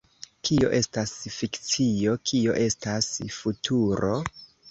Kio estas fikcio, kio estas futuro?